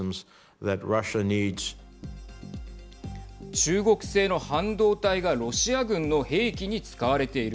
中国製の半導体がロシア軍の兵器に使われている。